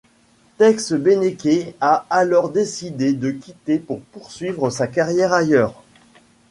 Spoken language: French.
Tex Beneke a alors décidé de quitter pour poursuivre sa carrière ailleurs.